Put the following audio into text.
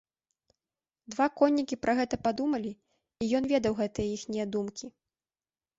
Два коннікі пра гэта падумалі, і ён ведаў гэтыя іхнія думкі.